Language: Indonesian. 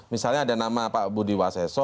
misalnya ada nama pak budi waseso